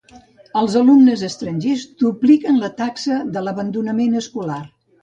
Els alumnes estrangers dupliquen la taxa de l'abandonament escolar.